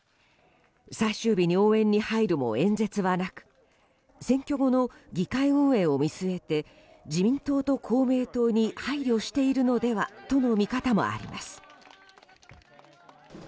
最終日に応援に入るも演説はなく選挙後の議会運営を見据えて自民党と公明党に配慮しているのではとの見方もあります。